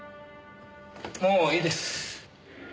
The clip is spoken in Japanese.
もういいです。